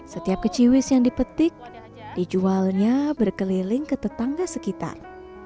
setiap keciwis yang dipetik dijualnya berkeliling ke tetangga sekitar